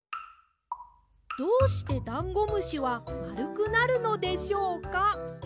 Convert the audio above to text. どうしてダンゴムシはまるくなるのでしょうか？